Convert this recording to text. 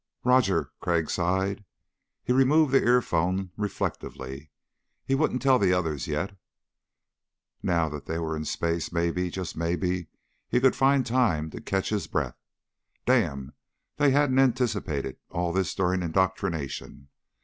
"Roger." Crag sighed. He removed the earphone reflectively. He wouldn't tell the others yet. Now that they were in space maybe ... just maybe ... he could find time to catch his breath. Damn, they hadn't anticipated all this during indoctrination.